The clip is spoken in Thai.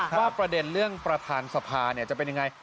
ประเด็นเรื่องประธานสภาจะเป็นยังไง